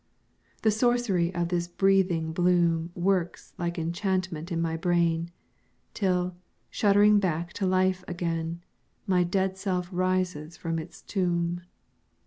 The sorcery of this breathing bloom Works like enchantment in my brain, Till, shuddering back to life again, My dead self rises from its tomb.